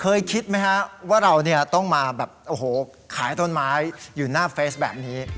คิดไหมฮะว่าเราต้องมาแบบโอ้โหขายต้นไม้อยู่หน้าเฟซแบบนี้